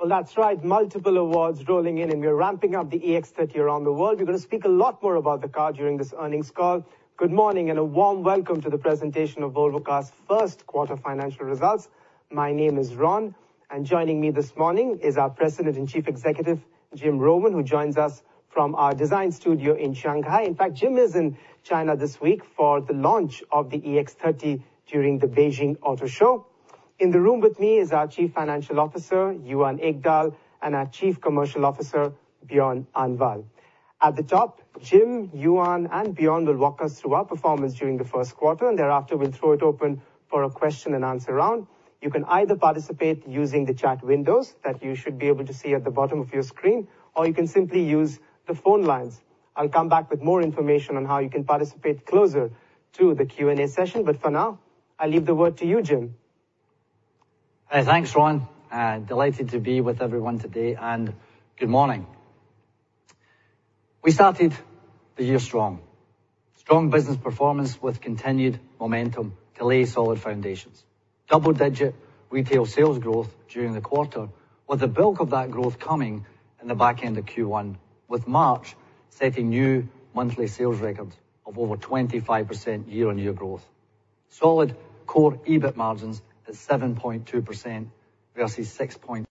Well, that's right, multiple awards rolling in, and we're ramping up the EX30 around the world. We're going to speak a lot more about the car during this earnings call. Good morning and a warm welcome to the presentation of Volvo Cars' first quarter financial results. My name is Ron, and joining me this morning is our President and Chief Executive, Jim Rowan, who joins us from our design studio in Shanghai. In fact, Jim is in China this week for the launch of the EX30 during the Beijing Auto Show. In the room with me is our Chief Financial Officer, Johan Ekdahl, and our Chief Commercial Officer, Björn Annwall. At the top, Jim, Johan, and Björn will walk us through our performance during the first quarter, and thereafter we'll throw it open for a question and answer round. You can either participate using the chat windows that you should be able to see at the bottom of your screen, or you can simply use the phone lines. I'll come back with more information on how you can participate closer to the Q&A session, but for now, I'll leave the word to you, Jim. Hey, thanks, Ron. Delighted to be with everyone today, and good morning. We started the year strong. Strong business performance with continued momentum to lay solid foundations. Double-digit retail sales growth during the quarter, with the bulk of that growth coming in the back end of Q1, with March setting new monthly sales records of over 25% year-on-year growth. Solid Core EBIT margins at 7.2% versus 6.0% this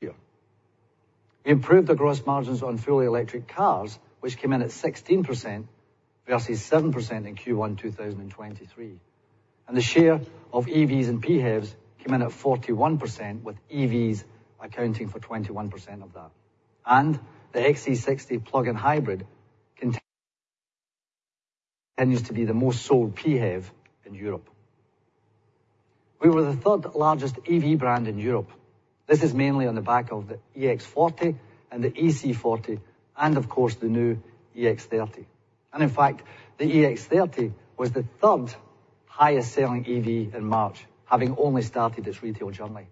year. We improved our gross margins on fully electric cars, which came in at 16% versus 7% in Q1 2023. The share of EVs and PHEVs came in at 41%, with EVs accounting for 21% of that. The XC60 plug-in hybrid continues to be the most-sold PHEV in Europe. We were the third-largest EV brand in Europe. This is mainly on the back of the EX40 and the EC40, and of course the new EX30. In fact, the EX30 was the third-highest-selling EV in March, having only started its retail journey.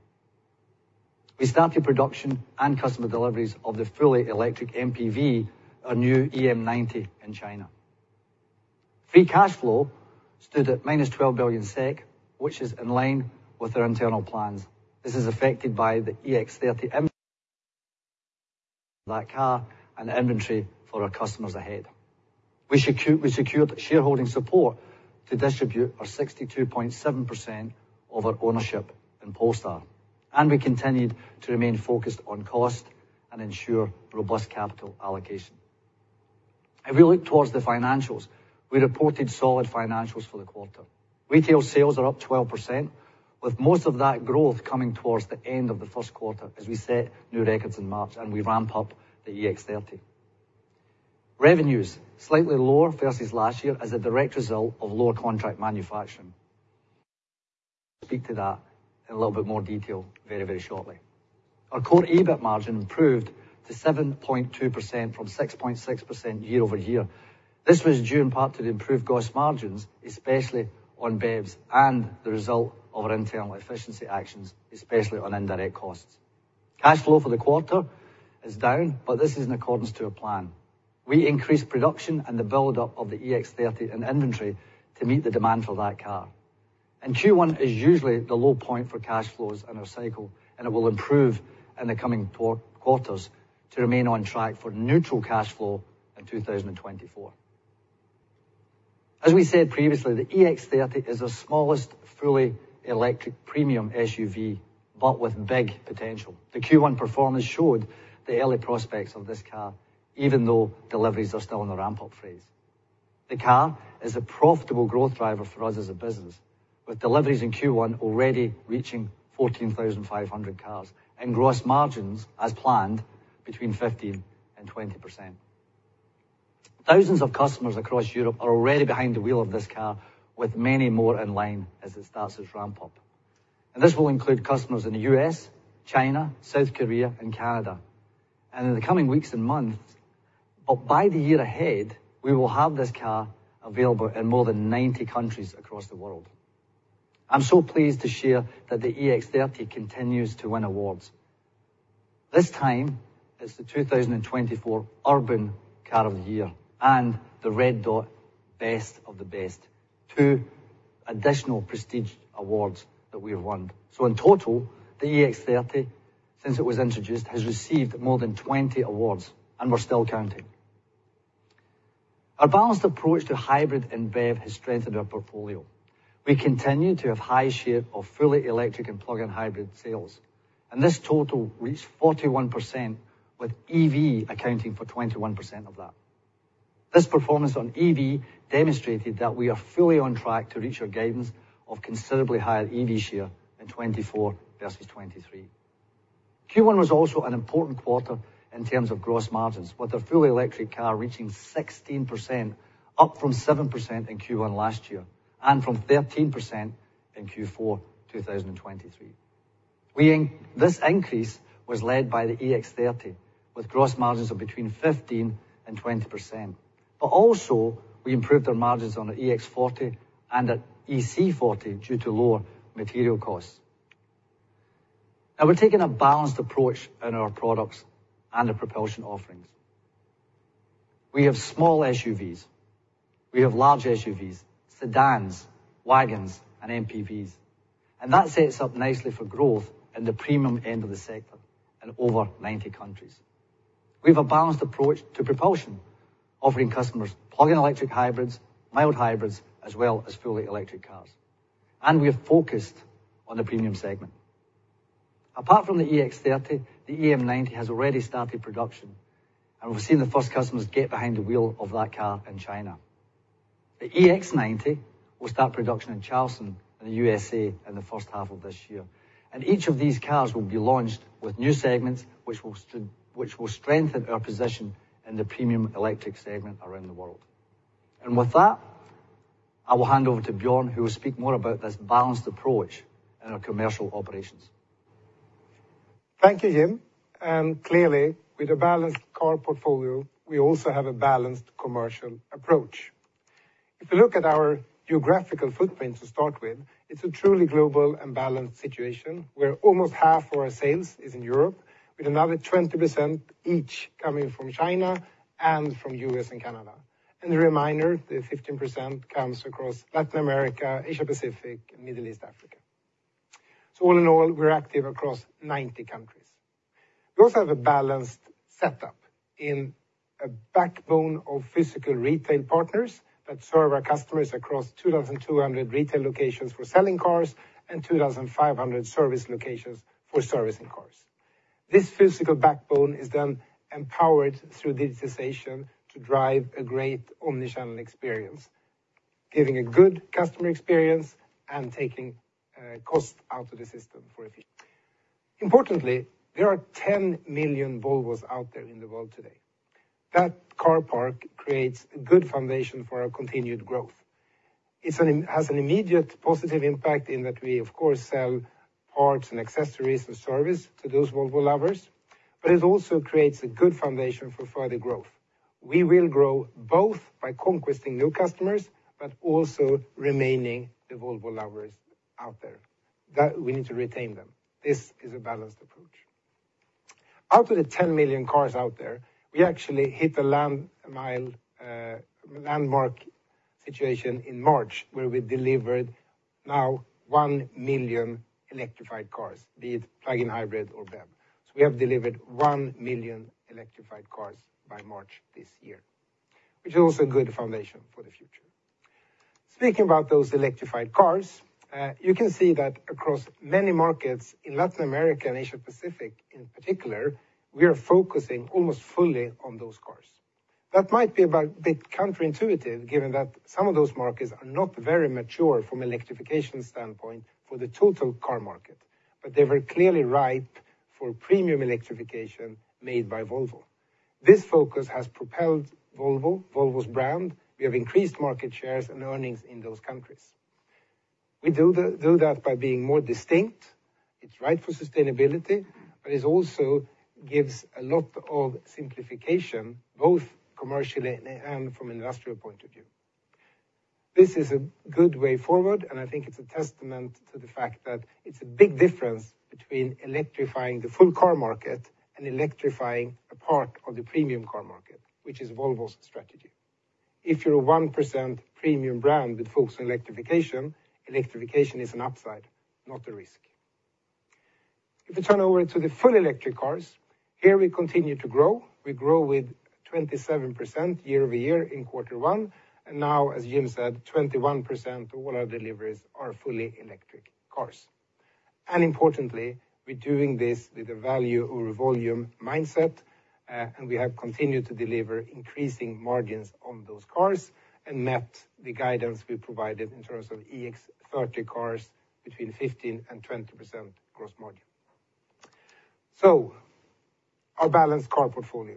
We started production and customer deliveries of the fully electric MPV, our new EM90, in China. Free cash flow stood at 12 billion SEK, which is in line with our internal plans. This is affected by the EX30 inventory for that car and the inventory for our customers ahead. We secured shareholding support to distribute our 62.7% of our ownership in Polestar, and we continued to remain focused on cost and ensure robust capital allocation. If we look towards the financials, we reported solid financials for the quarter. Retail sales are up 12%, with most of that growth coming towards the end of the first quarter as we set new records in March and we ramp up the EX30. Revenues are slightly lower versus last year as a direct result of lower contract manufacturing. I'll speak to that in a little bit more detail very, very shortly. Our Core EBIT margin improved to 7.2% from 6.6% year-over-year. This was due in part to the improved gross margins, especially on BEVs, and the result of our internal efficiency actions, especially on indirect costs. Cash flow for the quarter is down, but this is in accordance to our plan. We increased production and the buildup of the EX30 in inventory to meet the demand for that car. Q1 is usually the low point for cash flows in our cycle, and it will improve in the coming quarters to remain on track for neutral cash flow in 2024. As we said previously, the EX30 is our smallest fully electric premium SUV, but with big potential. The Q1 performance showed the early prospects of this car, even though deliveries are still in the ramp-up phase. The car is a profitable growth driver for us as a business, with deliveries in Q1 already reaching 14,500 cars and gross margins, as planned, between 15%-20%. Thousands of customers across Europe are already behind the wheel of this car, with many more in line as it starts its ramp-up. And this will include customers in the US, China, South Korea, and Canada in the coming weeks and months, but by the year ahead, we will have this car available in more than 90 countries across the world. I'm so pleased to share that the EX30 continues to win awards. This time, it's the 2024 Urban Car of the Year and the Red Dot Best of the Best, two additional prestige awards that we have won. So in total, the EX30, since it was introduced, has received more than 20 awards, and we're still counting. Our balanced approach to hybrid and BEV has strengthened our portfolio. We continue to have a high share of fully electric and plug-in hybrid sales, and this total reached 41%, with EV accounting for 21% of that. This performance on EV demonstrated that we are fully on track to reach our guidance of considerably higher EV share in 2024 versus 2023. Q1 was also an important quarter in terms of gross margins, with our fully electric car reaching 16%, up from 7% in Q1 last year and from 13% in Q4 2023. This increase was led by the EX30, with gross margins of between 15%-20%, but also we improved our margins on our EX40 and our EC40 due to lower material costs. Now, we're taking a balanced approach in our products and our propulsion offerings. We have small SUVs. We have large SUVs, sedans, wagons, and MPVs, and that sets up nicely for growth in the premium end of the sector in over 90 countries. We have a balanced approach to propulsion, offering customers plug-in electric hybrids, mild hybrids, as well as fully electric cars, and we have focused on the premium segment. Apart from the EX30, the EM90 has already started production, and we've seen the first customers get behind the wheel of that car in China. The EX90 will start production in Charleston, in the USA, in the first half of this year, and each of these cars will be launched with new segments which will strengthen our position in the premium electric segment around the world. With that, I will hand over to Björn, who will speak more about this balanced approach in our commercial operations. Thank you, Jim. Clearly, with a balanced car portfolio, we also have a balanced commercial approach. If we look at our geographical footprint to start with, it's a truly global and balanced situation, where almost half of our sales is in Europe, with another 20% each coming from China and from the U.S. and Canada. And the remainder, the 15% comes across Latin America, Asia-Pacific, and Middle East Africa. So all in all, we're active across 90 countries. We also have a balanced setup in a backbone of physical retail partners that serve our customers across 2,200 retail locations for selling cars and 2,500 service locations for servicing cars. This physical backbone is then empowered through digitization to drive a great omnichannel experience, giving a good customer experience and taking costs out of the system for a fee. Importantly, there are 10 million Volvos out there in the world today. That car park creates a good foundation for our continued growth. It has an immediate positive impact in that we, of course, sell parts and accessories and service to those Volvo lovers, but it also creates a good foundation for further growth. We will grow both by conquesting new customers but also remaining the Volvo lovers out there. We need to retain them. This is a balanced approach. Out of the 10 million cars out there, we actually hit a landmark situation in March where we delivered now one million electrified cars, be it plug-in hybrid or BEV. So we have delivered one million electrified cars by March this year, which is also a good foundation for the future. Speaking about those electrified cars, you can see that across many markets in Latin America and Asia-Pacific in particular, we are focusing almost fully on those cars. That might be a bit counterintuitive given that some of those markets are not very mature from an electrification standpoint for the total car market, but they were clearly ripe for premium electrification made by Volvo. This focus has propelled Volvo, Volvo's brand. We have increased market shares and earnings in those countries. We do that by being more distinct. It's ripe for sustainability, but it also gives a lot of simplification, both commercially and from an industrial point of view. This is a good way forward, and I think it's a testament to the fact that it's a big difference between electrifying the full car market and electrifying a part of the premium car market, which is Volvo's strategy. If you're a 1% premium brand with focus on electrification, electrification is an upside, not a risk. If we turn over to the full electric cars, here we continue to grow. We grow with 27% year-over-year in quarter one, and now, as Jim said, 21% of all our deliveries are fully electric cars. Importantly, we're doing this with a value over volume mindset, and we have continued to deliver increasing margins on those cars and met the guidance we provided in terms of EX30 cars between 15%-20% gross margin. Our balanced car portfolio.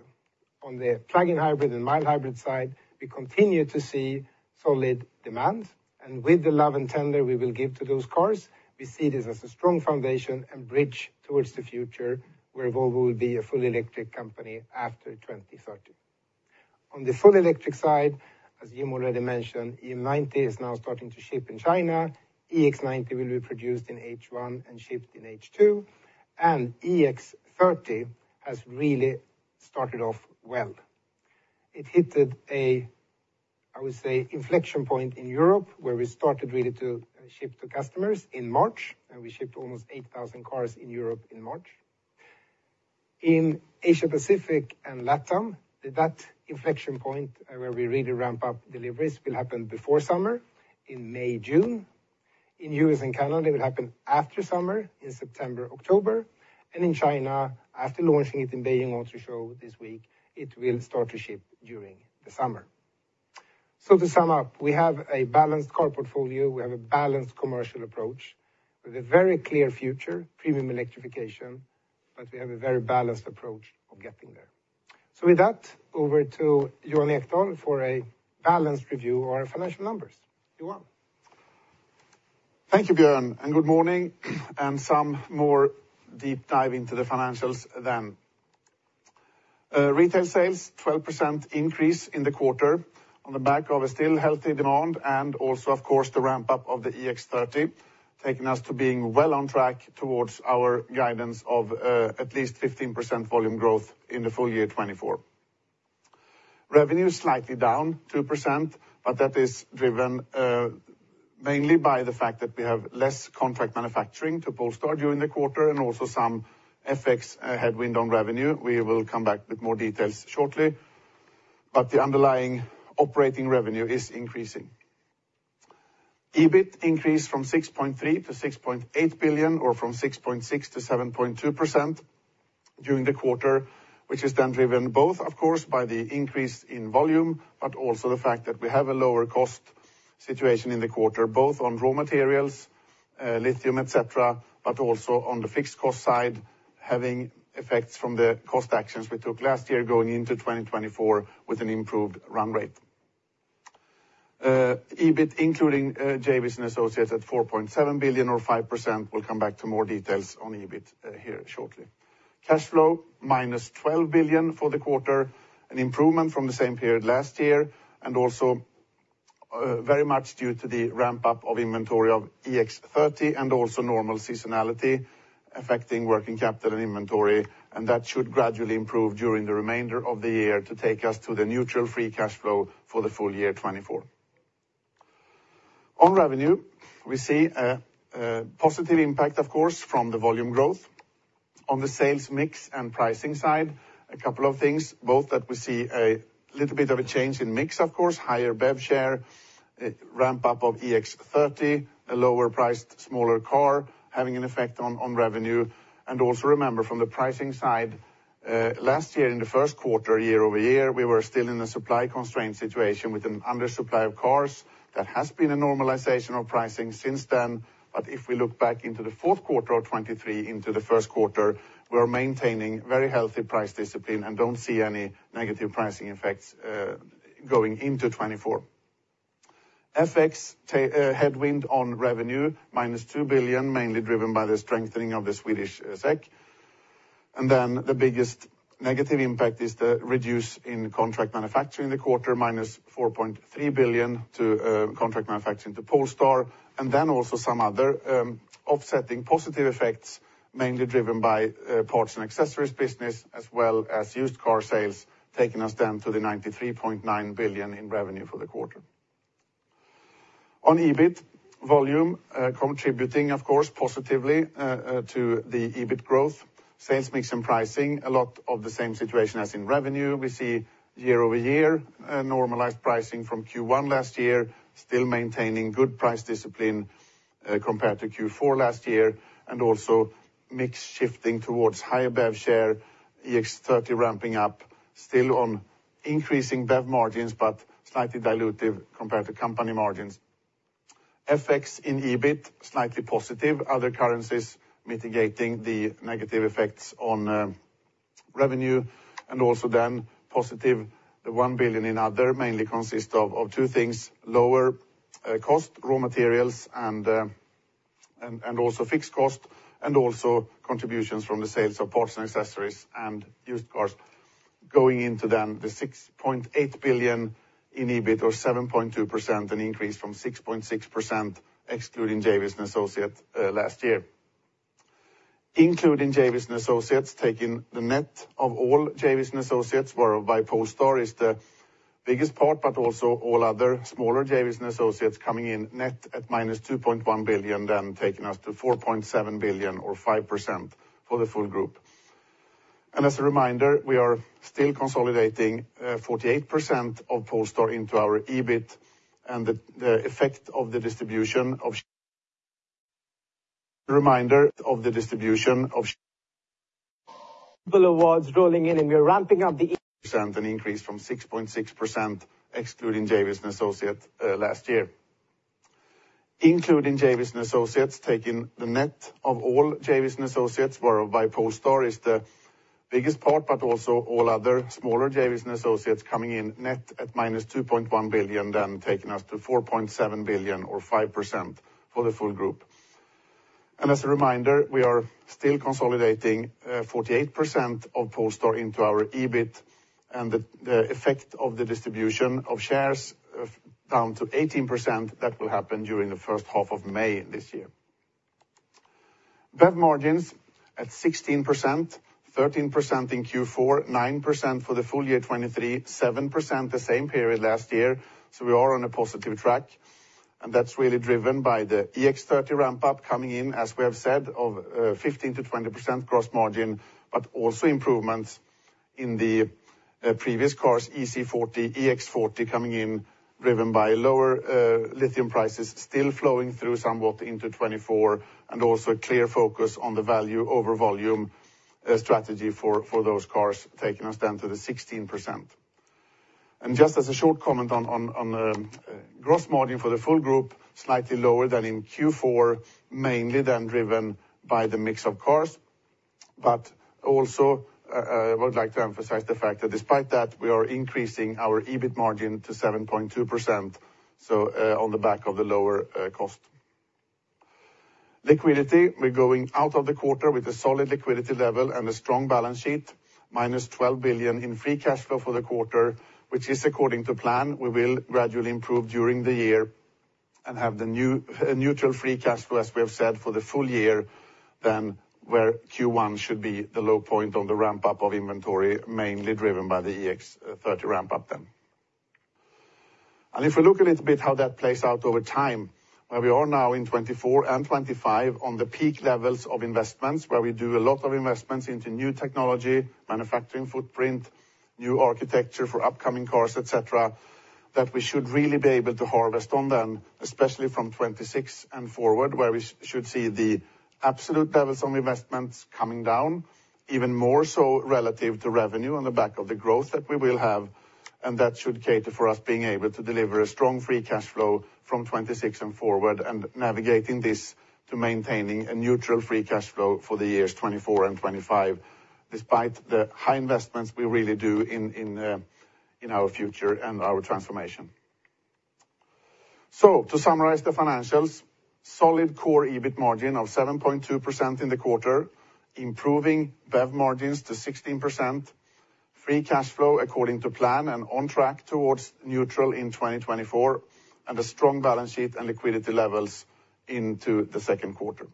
On the plug-in hybrid and mild hybrid side, we continue to see solid demand, and with the love and tender we will give to those cars, we see this as a strong foundation and bridge towards the future where Volvo will be a fully electric company after 2030. On the full electric side, as Jim already mentioned, EM90 is now starting to ship in China. EX90 will be produced in H1 and shipped in H2, and EX30 has really started off well. It hit a, I would say, inflection point in Europe where we started really to ship to customers in March, and we shipped almost 8,000 cars in Europe in March. In Asia-Pacific and LATAM, that inflection point where we really ramp up deliveries will happen before summer, in May-June. In the U.S. and Canada, it will happen after summer, in September-October, and in China, after launching it in Beijing Auto Show this week, it will start to ship during the summer. So to sum up, we have a balanced car portfolio. We have a balanced commercial approach with a very clear future: premium electrification, but we have a very balanced approach of getting there. So with that, over to Johan Ekdahl for a balanced review of our financial numbers. Johan. Thank you, Björn, and good morning, and some more deep dive into the financials then. Retail sales: 12% increase in the quarter on the back of a still healthy demand and also, of course, the ramp-up of the EX30, taking us to being well on track towards our guidance of at least 15% volume growth in the full year 2024. Revenue is slightly down, 2%, but that is driven mainly by the fact that we have less contract manufacturing to Polestar during the quarter and also some FX headwind on revenue. We will come back with more details shortly, but the underlying operating revenue is increasing. EBIT increased from 6.3 billion-6.8 billion, or from 6.6%-7.2% during the quarter, which is then driven both, of course, by the increase in volume but also the fact that we have a lower cost situation in the quarter, both on raw materials, lithium, etc., but also on the fixed cost side, having effects from the cost actions we took last year going into 2024 with an improved run rate. EBIT including JVs and Associates at 4.7 billion, or 5%. We'll come back to more details on EBIT here shortly. Cash flow: -12 billion for the quarter, an improvement from the same period last year, and also very much due to the ramp-up of inventory of EX30 and also normal seasonality affecting working capital and inventory, and that should gradually improve during the remainder of the year to take us to the neutral free cash flow for the full year 2024. On revenue, we see a positive impact, of course, from the volume growth. On the sales mix and pricing side, a couple of things, both that we see a little bit of a change in mix, of course, higher BEV share, ramp-up of EX30, a lower-priced, smaller car having an effect on revenue. Also remember, from the pricing side, last year in the first quarter, year-over-year, we were still in a supply-constrained situation with an undersupply of cars. That has been a normalization of pricing since then, but if we look back into the fourth quarter of 2023, into the first quarter, we are maintaining very healthy price discipline and don't see any negative pricing effects going into 2024. FX headwind on revenue: -2 billion, mainly driven by the strengthening of the Swedish SEK. And then the biggest negative impact is the reduction in contract manufacturing in the quarter, -4.3 billion to contract manufacturing to Polestar, and then also some other offsetting positive effects, mainly driven by parts and accessories business as well as used car sales, taking us then to the 93.9 billion in revenue for the quarter. On EBIT, volume contributing, of course, positively to the EBIT growth. Sales mix and pricing: a lot of the same situation as in revenue. We see year-over-year normalized pricing from Q1 last year, still maintaining good price discipline compared to Q4 last year, and also mix shifting towards higher BEV share, EX30 ramping up, still on increasing BEV margins but slightly dilutive compared to company margins. FX in EBIT: slightly positive, other currencies mitigating the negative effects on revenue, and also then positive the 1 billion in other mainly consists of two things: lower cost, raw materials, and also fixed cost, and also contributions from the sales of parts and accessories and used cars, going into then the 6.8 billion in EBIT, or 7.2%, an increase from 6.6% excluding JVs and Associate last year. Including JVs and Associates, taking the net of all JVs and Associates, whereby Polestar is the biggest part but also all other smaller JVs and Associates coming in net at -2.1 billion, then taking us to 4.7 billion, or 5%, for the full group. And as a reminder, we are still consolidating 48% of Polestar into our EBIT, and the effect of the distribution of. Reminder of the distribution of. Global awards rolling in, and we are ramping up the. Percent, an increase from 6.6% excluding JVs and Associates last year. Including JVs and Associates, taking the net of all JVs and Associates, whereby Polestar is the biggest part but also all other smaller JVs and Associates coming in net at -2.1 billion, then taking us to 4.7 billion, or 5%, for the full group. And as a reminder, we are still consolidating 48% of Polestar into our EBIT, and the effect of the distribution of shares down to 18%, that will happen during the first half of May this year. BEV margins at 16%, 13% in Q4, 9% for the full year 2023, 7% the same period last year, so we are on a positive track, and that's really driven by the EX30 ramp-up coming in, as we have said, of 15%-20% gross margin, but also improvements in the previous cars, EC40, EX40 coming in, driven by lower lithium prices still flowing through somewhat into 2024, and also a clear focus on the value over volume strategy for those cars, taking us then to the 16%. And just as a short comment on gross margin for the full group, slightly lower than in Q4, mainly then driven by the mix of cars, but also I would like to emphasize the fact that despite that, we are increasing our EBIT margin to 7.2%, so on the back of the lower cost. Liquidity: we're going out of the quarter with a solid liquidity level and a strong balance sheet, -12 billion in free cash flow for the quarter, which is according to plan. We will gradually improve during the year and have the new neutral free cash flow, as we have said, for the full year then where Q1 should be the low point on the ramp-up of inventory, mainly driven by the EX30 ramp-up then. If we look a little bit how that plays out over time, where we are now in 2024 and 2025 on the peak levels of investments, where we do a lot of investments into new technology, manufacturing footprint, new architecture for upcoming cars, etc., that we should really be able to harvest on then, especially from 2026 and forward, where we should see the absolute levels of investments coming down, even more so relative to revenue on the back of the growth that we will have, and that should cater for us being able to deliver a strong free cash flow from 2026 and forward and navigating this to maintaining a neutral free cash flow for the years 2024 and 2025 despite the high investments we really do in our future and our transformation. To summarize the financials: solid core EBIT margin of 7.2% in the quarter, improving BEV margins to 16%, free cash flow according to plan and on track towards neutral in 2024, and a strong balance sheet and liquidity levels into the second quarter.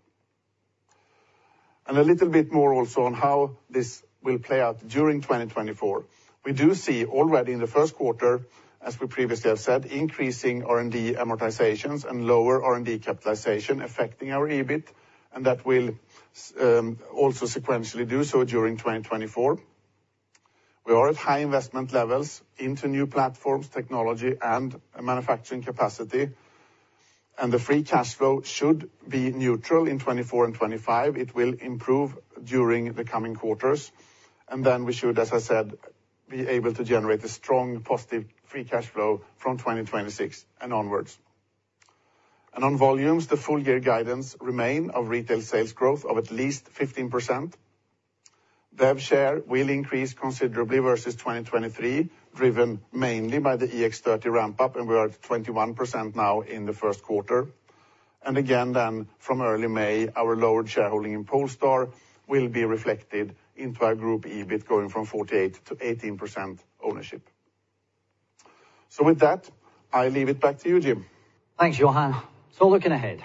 A little bit more also on how this will play out during 2024. We do see already in the first quarter, as we previously have said, increasing R&D amortizations and lower R&D capitalization affecting our EBIT, and that will also sequentially do so during 2024. We are at high investment levels into new platforms, technology, and manufacturing capacity, and the free cash flow should be neutral in 2024 and 2025. It will improve during the coming quarters, and then we should, as I said, be able to generate a strong positive free cash flow from 2026 and onwards. On volumes, the full year guidance remains of retail sales growth of at least 15%. BEV share will increase considerably versus 2023, driven mainly by the EX30 ramp-up, and we are at 21% now in the first quarter. Again then, from early May, our lowered shareholding in Polestar will be reflected into our group EBIT going from 48%-18% ownership. With that, I leave it back to you, Jim. Thanks, Johan. So looking ahead: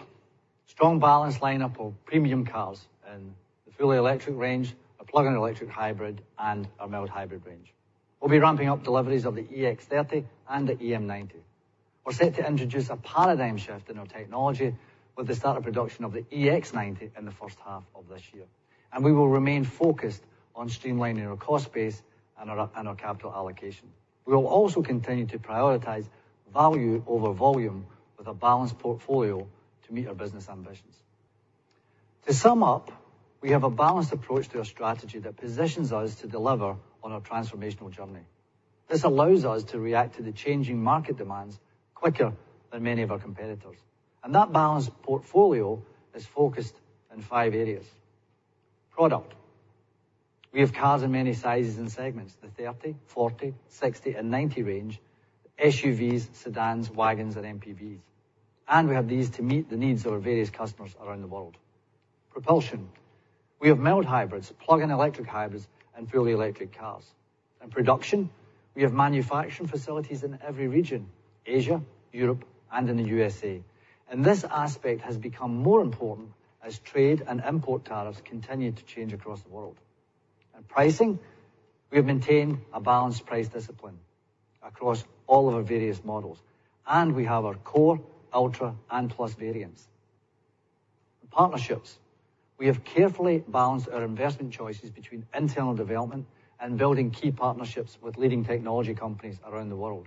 strong balanced lineup of premium cars in the fully electric range, a plug-in electric hybrid, and our mild hybrid range. We'll be ramping up deliveries of the EX30 and the EM90. We're set to introduce a paradigm shift in our technology with the start of production of the EX90 in the first half of this year, and we will remain focused on streamlining our cost base and our capital allocation. We will also continue to prioritize value over volume with a balanced portfolio to meet our business ambitions. To sum up, we have a balanced approach to our strategy that positions us to deliver on our transformational journey. This allows us to react to the changing market demands quicker than many of our competitors, and that balanced portfolio is focused in five areas. Product: we have cars in many sizes and segments, the 30, 40, 60, and 90 range, SUVs, sedans, wagons, and MPVs, and we have these to meet the needs of our various customers around the world. Propulsion: we have mild hybrids, plug-in electric hybrids, and fully electric cars. In production: we have manufacturing facilities in every region, Asia, Europe, and in the USA, and this aspect has become more important as trade and import tariffs continue to change across the world. In pricing: we have maintained a balanced price discipline across all of our various models, and we have our Core, Ultra, and Plus variants. In partnerships: we have carefully balanced our investment choices between internal development and building key partnerships with leading technology companies around the world,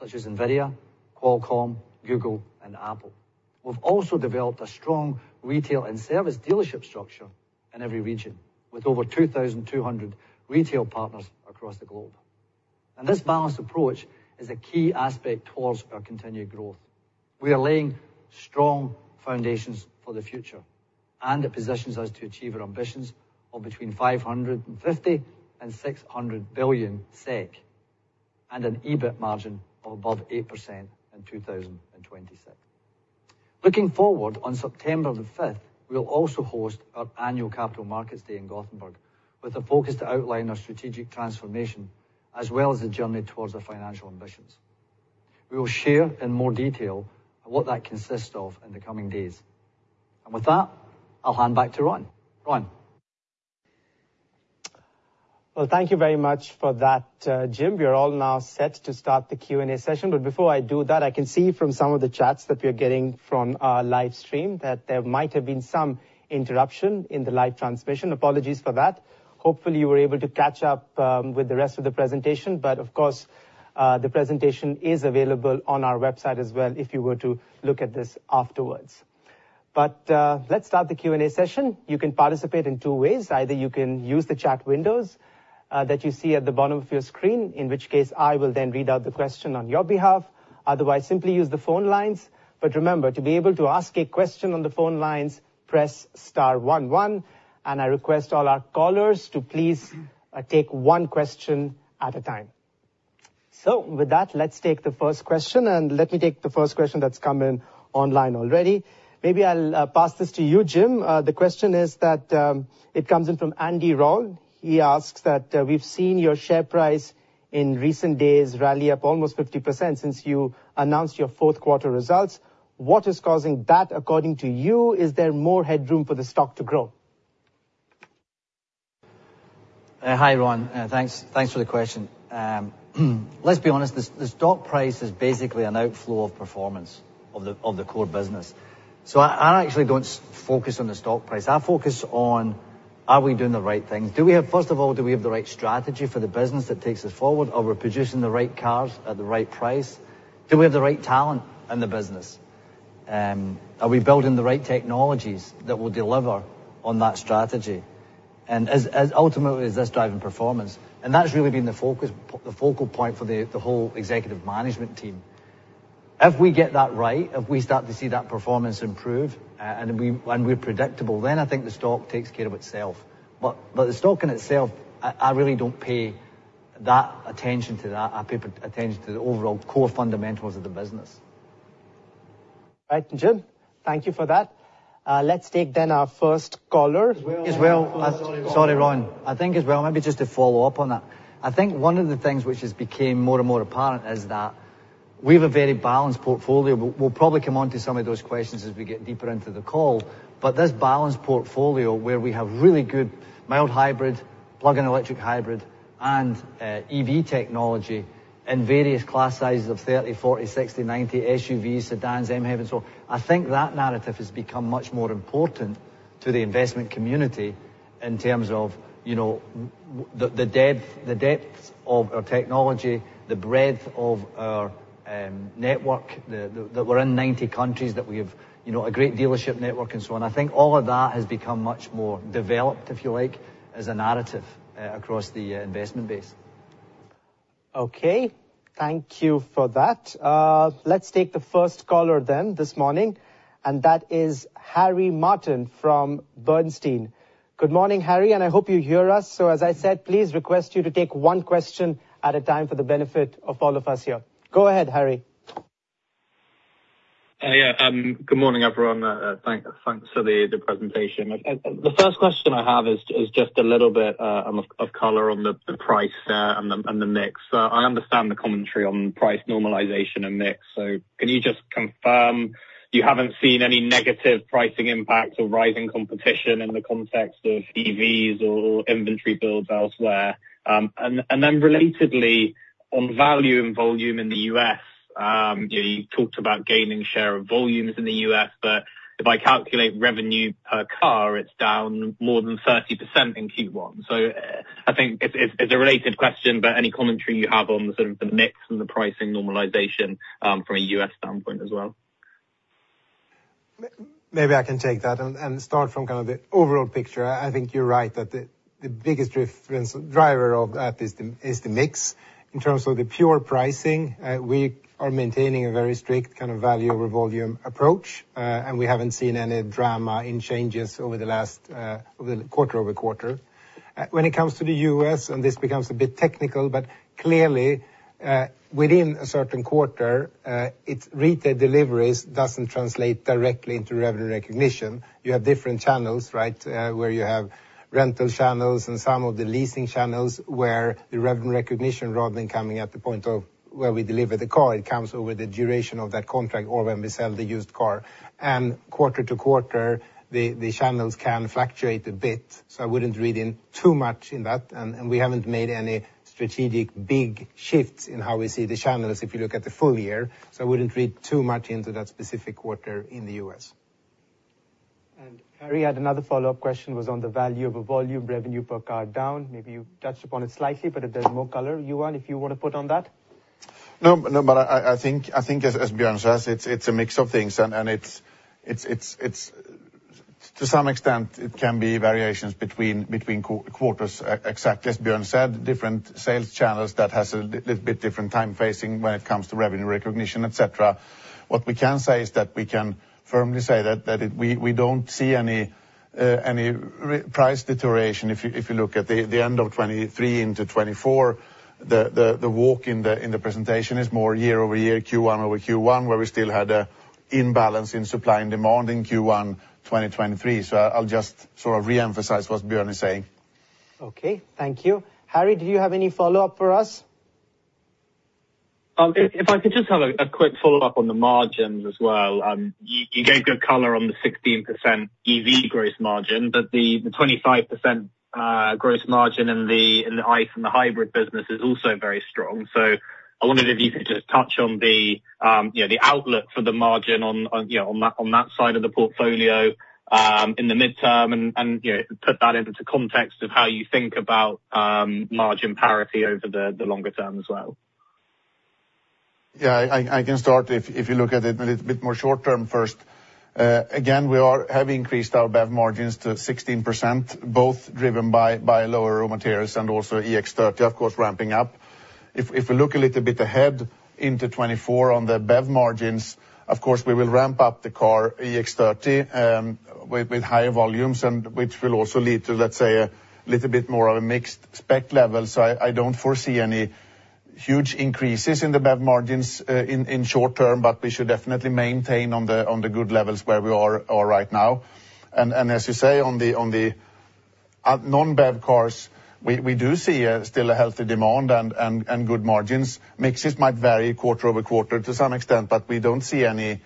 such as NVIDIA, Qualcomm, Google, and Apple. We've also developed a strong retail and service dealership structure in every region with over 2,200 retail partners across the globe, and this balanced approach is a key aspect towards our continued growth. We are laying strong foundations for the future, and it positions us to achieve our ambitions of between 550 billion and 600 billion SEK and an EBIT margin of above 8% in 2026. Looking forward, on September the 5th, we will also host our annual Capital Markets Day in Gothenburg with a focus to outline our strategic transformation as well as the journey towards our financial ambitions. We will share in more detail what that consists of in the coming days. And with that, I'll hand back to Ron. Ron. Well, thank you very much for that, Jim. We are all now set to start the Q&A session, but before I do that, I can see from some of the chats that we are getting from our live stream that there might have been some interruption in the live transmission. Apologies for that. Hopefully, you were able to catch up with the rest of the presentation, but of course, the presentation is available on our website as well if you were to look at this afterwards. But let's start the Q&A session. You can participate in two ways. Either you can use the chat windows that you see at the bottom of your screen, in which case I will then read out the question on your behalf. Otherwise, simply use the phone lines. Remember, to be able to ask a question on the phone lines, press star 11, and I request all our callers to please take one question at a time. With that, let's take the first question, and let me take the first question that's come in online already. Maybe I'll pass this to you, Jim. The question is that it comes in from Andy Rowan. He asks that we've seen your share price in recent days rally up almost 50% since you announced your fourth quarter results. What is causing that, according to you? Is there more headroom for the stock to grow? Hi, Ron. Thanks for the question. Let's be honest, the stock price is basically an outflow of performance of the core business. So I actually don't focus on the stock price. I focus on, are we doing the right things? First of all, do we have the right strategy for the business that takes us forward? Are we producing the right cars at the right price? Do we have the right talent in the business? Are we building the right technologies that will deliver on that strategy? And ultimately, is this driving performance? And that's really been the focal point for the whole executive management team. If we get that right, if we start to see that performance improve and we're predictable, then I think the stock takes care of itself. But the stock in itself, I really don't pay that attention to that. I pay attention to the overall core fundamentals of the business. Right, Jim. Thank you for that. Let's take then our first caller. As well as. Sorry, Ron. I think as well, maybe just to follow up on that. I think one of the things which has become more and more apparent is that we have a very balanced portfolio. We'll probably come on to some of those questions as we get deeper into the call, but this balanced portfolio where we have really good mild hybrid, plug-in electric hybrid, and EV technology in various class sizes of 30, 40, 60, 90, SUVs, sedans, MHEVs, and so on, I think that narrative has become much more important to the investment community in terms of the depths of our technology, the breadth of our network that we're in 90 countries, that we have a great dealership network, and so on. I think all of that has become much more developed, if you like, as a narrative across the investment base. Okay. Thank you for that. Let's take the first caller then this morning, and that is Harry Martin from Bernstein. Good morning, Harry, and I hope you hear us. So as I said, please request you to take one question at a time for the benefit of all of us here. Go ahead, Harry. Yeah. Good morning, everyone. Thanks for the presentation. The first question I have is just a little bit of color on the price and the mix. I understand the commentary on price normalization and mix, so can you just confirm you haven't seen any negative pricing impacts or rising competition in the context of EVs or inventory builds elsewhere? And then relatedly, on value and volume in the U.S., you talked about gaining share of volumes in the U.S., but if I calculate revenue per car, it's down more than 30% in Q1. So I think it's a related question, but any commentary you have on sort of the mix and the pricing normalization from a U.S. standpoint as well? Maybe I can take that and start from kind of the overall picture. I think you're right that the biggest driver of that is the mix. In terms of the pure pricing, we are maintaining a very strict kind of value over volume approach, and we haven't seen any drama in changes over the quarter-over-quarter. When it comes to the U.S., and this becomes a bit technical, but clearly, within a certain quarter, retail deliveries doesn't translate directly into revenue recognition. You have different channels, right, where you have rental channels and some of the leasing channels where the revenue recognition rather than coming at the point of where we deliver the car, it comes over the duration of that contract or when we sell the used car. Quarter-to-quarter, the channels can fluctuate a bit, so I wouldn't read in too much in that. We haven't made any strategic big shifts in how we see the channels if you look at the full year, so I wouldn't read too much into that specific quarter in the U.S. Harry, another follow-up question was on the value of a volume revenue per car down. Maybe you touched upon it slightly, but if there's more color, Johan, if you want to put on that. No, but I think, as Björn says, it's a mix of things, and to some extent, it can be variations between quarters exactly. As Björn said, different sales channels, that has a little bit different timing when it comes to revenue recognition, etc. What we can say is that we can firmly say that we don't see any price deterioration. If you look at the end of 2023 into 2024, the walk in the presentation is more year-over-year, Q1 over Q1, where we still had an imbalance in supply and demand in Q1 2023. So I'll just sort of reemphasize what Björn is saying. Okay. Thank you. Harry, did you have any follow-up for us? If I could just have a quick follow-up on the margins as well. You gave good color on the 16% EV gross margin, but the 25% gross margin in the ICE and the hybrid business is also very strong. So I wondered if you could just touch on the outlook for the margin on that side of the portfolio in the midterm and put that into context of how you think about margin parity over the longer term as well. Yeah. I can start if you look at it a little bit more short-term first. Again, we have increased our BEV margins to 16%, both driven by lower raw materials and also EX30, of course, ramping up. If we look a little bit ahead into 2024 on the BEV margins, of course, we will ramp up the car EX30 with higher volumes, which will also lead to, let's say, a little bit more of a mixed spec level. So I don't foresee any huge increases in the BEV margins in short term, but we should definitely maintain on the good levels where we are right now. And as you say, on the non-BEV cars, we do see still a healthy demand and good margins. Mixes might vary quarter-over-quarter to some extent, but we don't see any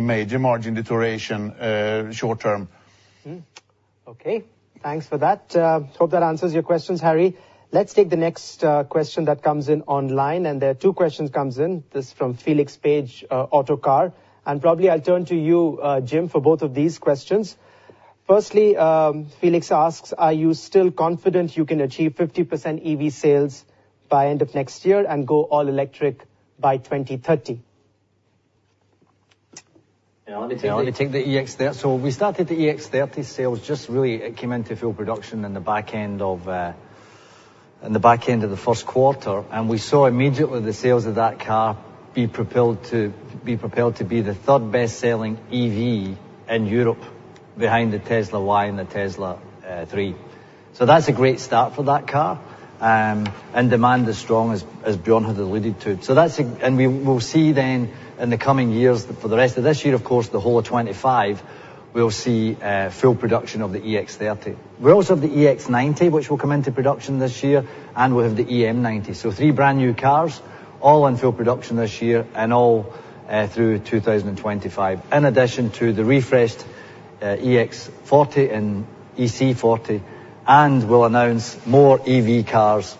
major margin deterioration short-term. Okay. Thanks for that. Hope that answers your questions, Harry. Let's take the next question that comes in online, and there are two questions coming in. This is from Felix Page, Autocar, and probably I'll turn to you, Jim, for both of these questions. Firstly, Felix asks, are you still confident you can achieve 50% EV sales by end of next year and go all electric by 2030? Yeah. Let me take the EX30. So we started the EX30 sales just really it came into full production in the back end of the first quarter, and we saw immediately the sales of that car be propelled to be the third best-selling EV in Europe behind the Tesla Y and the Tesla 3. So that's a great start for that car, and demand is strong as Björn had alluded to. And we'll see then in the coming years for the rest of this year, of course, the whole of 2025, we'll see full production of the EX30. We also have the EX90, which will come into production this year, and we'll have the EM90. So 3 brand new cars, all in full production this year and all through 2025, in addition to the refreshed EX40 and EC40, and we'll announce more EV cars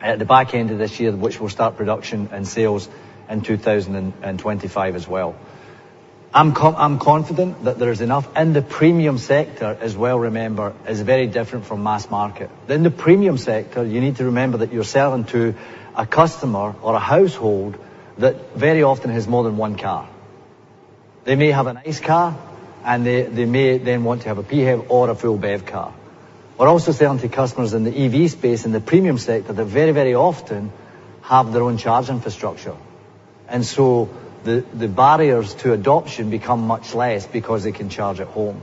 at the back end of this year, which will start production and sales in 2025 as well. I'm confident that there is enough. In the premium sector as well, remember, it's very different from mass market. In the premium sector, you need to remember that you're selling to a customer or a household that very often has more than one car. They may have an ICE car, and they may then want to have a PHEV or a full BEV car. We're also selling to customers in the EV space in the premium sector that very, very often have their own charge infrastructure, and so the barriers to adoption become much less because they can charge at home.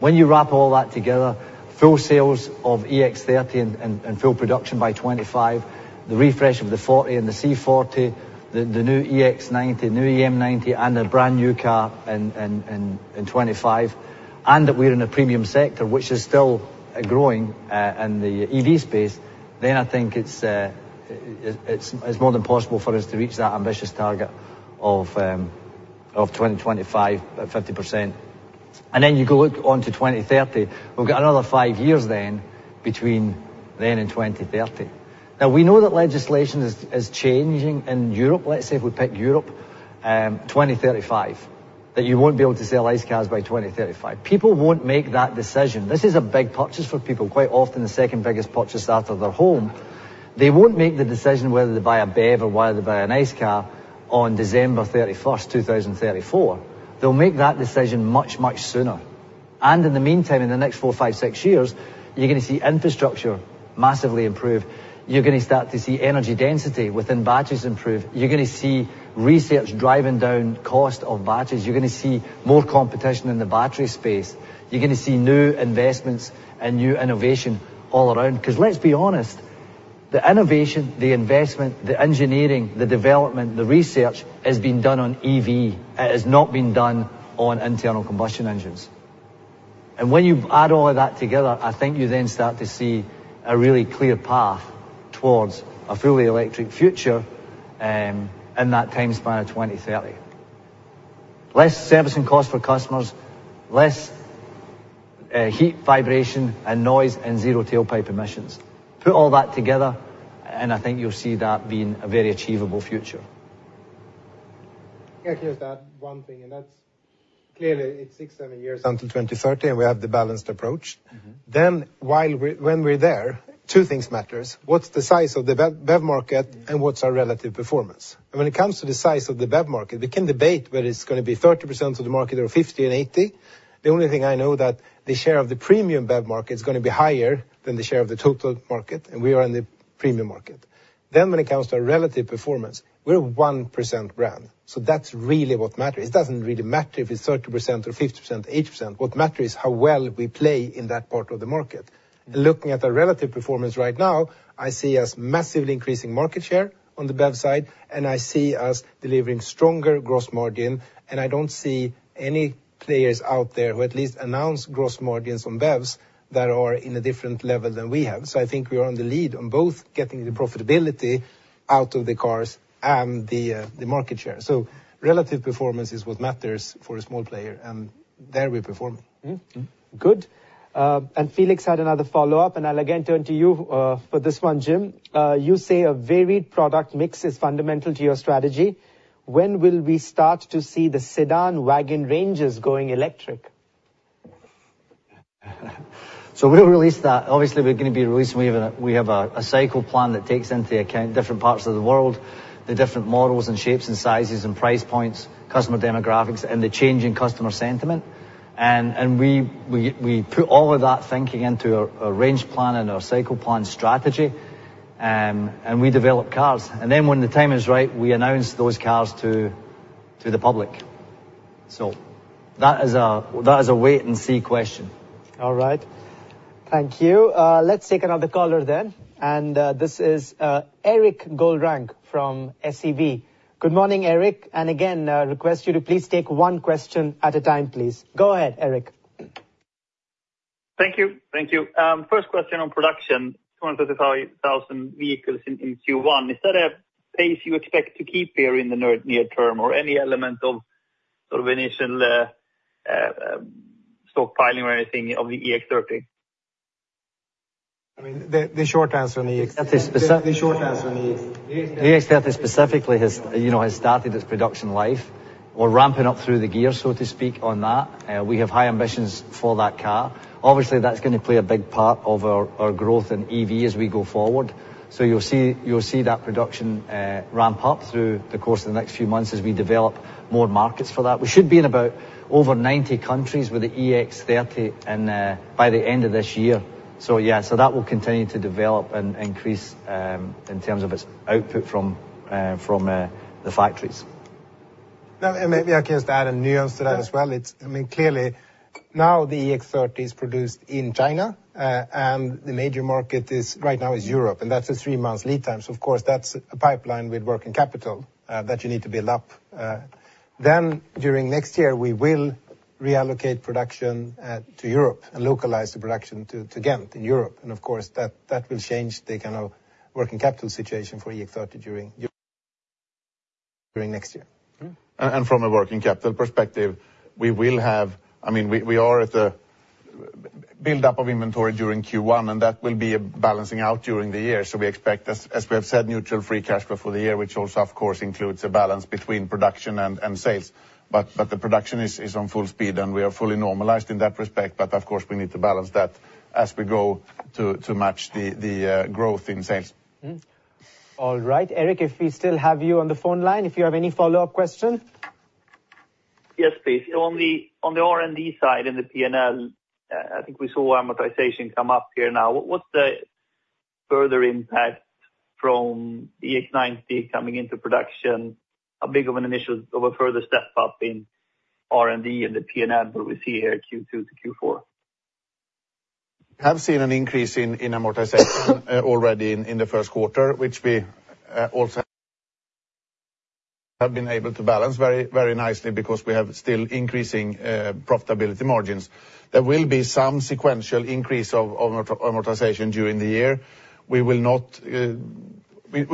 When you wrap all that together, full sales of EX30 and full production by 2025, the refresh of the 40 and the C40, the new EX90, new EM90, and a brand new car in 2025, and that we're in a premium sector which is still growing in the EV space, then I think it's more than possible for us to reach that ambitious target of 2025 at 50%. And then you go look onto 2030. We've got another five years then between then and 2030. Now, we know that legislation is changing in Europe. Let's say if we pick Europe 2035, that you won't be able to sell ICE cars by 2035. People won't make that decision. This is a big purchase for people. Quite often, the second biggest purchase after their home, they won't make the decision whether they buy a BEV or whether they buy an ICE car on December 31st, 2034. They'll make that decision much, much sooner. In the meantime, in the next four, five, six years, you're going to see infrastructure massively improve. You're going to start to see energy density within batteries improve. You're going to see research driving down cost of batteries. You're going to see more competition in the battery space. You're going to see new investments and new innovation all around. Because let's be honest, the innovation, the investment, the engineering, the development, the research has been done on EV. It has not been done on internal combustion engines. When you add all of that together, I think you then start to see a really clear path towards a fully electric future in that time span of 2030. Less servicing costs for customers, less heat, vibration, and noise, and zero tailpipe emissions. Put all that together, and I think you'll see that being a very achievable future. Can I just add one thing? Clearly, it's six to seven years until 2030, and we have the balanced approach. When we're there, two things matter. What's the size of the BEV market, and what's our relative performance? When it comes to the size of the BEV market, we can debate whether it's going to be 30% of the market or 50% and 80%. The only thing I know is that the share of the premium BEV market is going to be higher than the share of the total market, and we are in the premium market. When it comes to our relative performance, we're a 1% brand, so that's really what matters. It doesn't really matter if it's 30% or 50%, 80%. What matters is how well we play in that part of the market. Looking at our relative performance right now, I see us massively increasing market share on the BEV side, and I see us delivering stronger gross margin, and I don't see any players out there who at least announce gross margins on BEVs that are in a different level than we have. I think we are on the lead on both getting the profitability out of the cars and the market share. Relative performance is what matters for a small player, and there we're performing. Good. And Felix had another follow-up, and I'll again turn to you for this one, Jim. You say a varied product mix is fundamental to your strategy. When will we start to see the sedan-wagon ranges going electric? We'll release that. Obviously, we're going to be releasing. We have a cycle plan that takes into account different parts of the world, the different models and shapes and sizes and price points, customer demographics, and the changing customer sentiment. We put all of that thinking into our range plan and our cycle plan strategy, and we develop cars. Then when the time is right, we announce those cars to the public. That is a wait-and-see question. All right. Thank you. Let's take another caller then, and this is Erik Golrang from SEB. Good morning, Erik, and again, request you to please take one question at a time, please. Go ahead, Erik. Thank you. Thank you. First question on production, 235,000 vehicles in Q1. Is that a pace you expect to keep here in the near term, or any element of sort of initial stockpiling or anything of the EX30? I mean, the short answer on the EX30 is specifically has started its production life, or ramping up through the gears, so to speak, on that. We have high ambitions for that car. Obviously, that's going to play a big part of our growth in EV as we go forward. So you'll see that production ramp up through the course of the next few months as we develop more markets for that. We should be in about over 90 countries with the EX30 by the end of this year. So yeah, so that will continue to develop and increase in terms of its output from the factories. Now, maybe I can just add a nuance to that as well. I mean, clearly, now the EX30 is produced in China, and the major market right now is Europe, and that's a three-month lead time. Of course, that's a pipeline with working capital that you need to build up. Then during next year, we will reallocate production to Europe and localize the production to Ghent in Europe. Of course, that will change the kind of working capital situation for EX30 during next year. From a working capital perspective, we will have I mean, we are at the buildup of inventory during Q1, and that will be balancing out during the year. So we expect, as we have said, neutral free cash flow for the year, which also, of course, includes a balance between production and sales. But the production is on full speed, and we are fully normalized in that respect. But of course, we need to balance that as we go to match the growth in sales. All right. Erik, if we still have you on the phone line, if you have any follow-up question? Yes, please. On the R&D side in the P&L, I think we saw amortization come up here now. What's the further impact from EX90 coming into production, a bit of an initial or a further step up in R&D and the P&L that we see here Q2 to Q4? Have seen an increase in amortization already in the first quarter, which we also have been able to balance very nicely because we have still increasing profitability margins. There will be some sequential increase of amortization during the year. We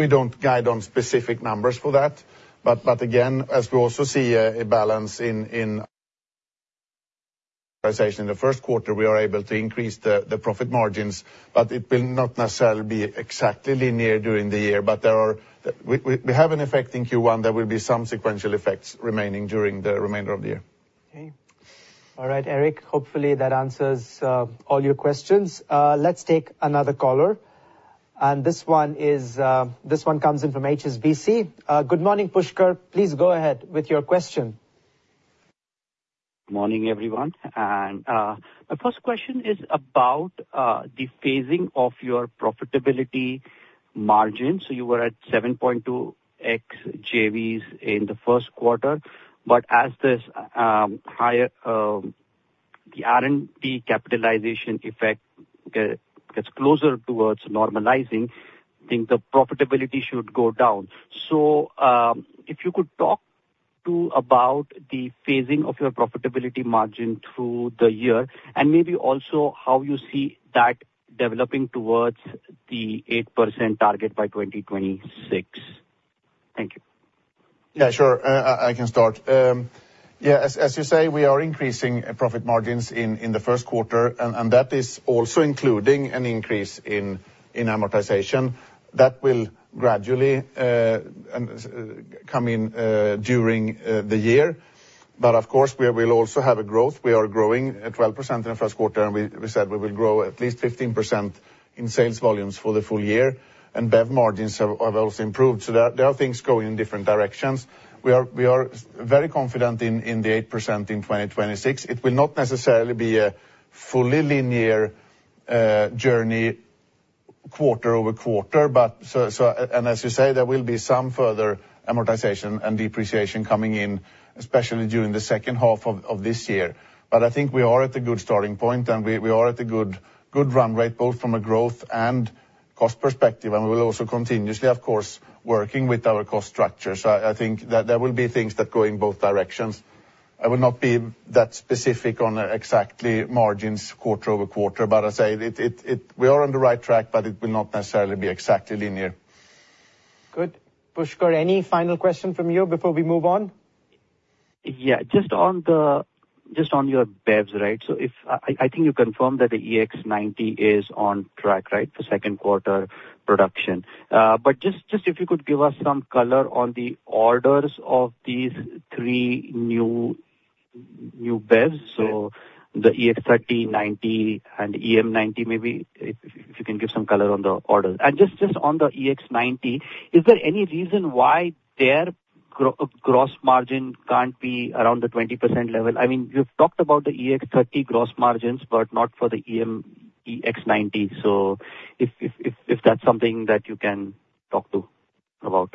don't guide on specific numbers for that. But again, as we also see a balance in amortization in the first quarter, we are able to increase the profit margins, but it will not necessarily be exactly linear during the year. But we have an effect in Q1 that will be some sequential effects remaining during the remainder of the year. Okay. All right, Erik. Hopefully, that answers all your questions. Let's take another caller, and this one comes in from HSBC. Good morning, Pushkar. Please go ahead with your question. Morning, everyone. My first question is about the phasing of your profitability margins. You were at 7.2% JVs in the first quarter, but as the R&D capitalization effect gets closer towards normalizing, I think the profitability should go down. If you could talk to about the phasing of your profitability margin through the year, and maybe also how you see that developing towards the 8% target by 2026. Thank you. Yeah, sure. I can start. Yeah, as you say, we are increasing profit margins in the first quarter, and that is also including an increase in amortization. That will gradually come in during the year. But of course, we will also have a growth. We are growing at 12% in the first quarter, and we said we will grow at least 15% in sales volumes for the full year. And BEV margins have also improved, so there are things going in different directions. We are very confident in the 8% in 2026. It will not necessarily be a fully linear journey quarter over quarter, but as you say, there will be some further amortization and depreciation coming in, especially during the second half of this year. But I think we are at a good starting point, and we are at a good run rate both from a growth and cost perspective, and we will also continuously, of course, working with our cost structure. So I think there will be things that go in both directions. I will not be that specific on exactly margins quarter-over-quarter, but I say we are on the right track, but it will not necessarily be exactly linear. Good. Pushkar, any final question from you before we move on? Yeah, just on your BEVs, right? So I think you confirmed that the EX90 is on track, right, for second quarter production. But just if you could give us some color on the orders of these three new BEVs, so the EX30, EX90, and EM90, maybe if you can give some color on the orders. And just on the EX90, is there any reason why their gross margin can't be around the 20% level? I mean, you've talked about the EX30 gross margins, but not for the EX90, so if that's something that you can talk about.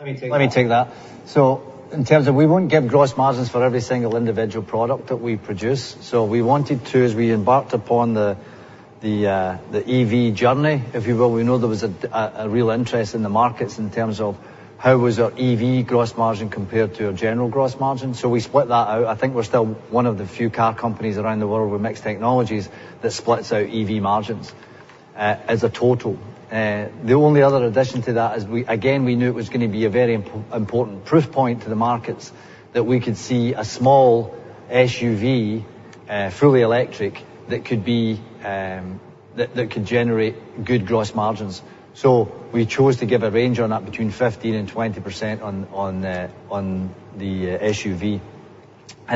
Let me take that. So in terms of, we won't give gross margins for every single individual product that we produce. So we wanted to, as we embarked upon the EV journey, if you will, we know there was a real interest in the markets in terms of how was our EV gross margin compared to our general gross margin. So we split that out. I think we're still one of the few car companies around the world with mixed technologies that splits out EV margins as a total. The only other addition to that is, again, we knew it was going to be a very important proof point to the markets that we could see a small SUV, fully electric, that could generate good gross margins. So we chose to give a range on that between 15%-20% on the SUV.